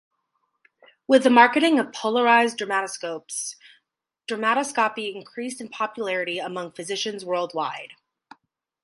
With the marketing of polarised dermatoscopes, dermatoscopy increased in popularity among physicians worldwide.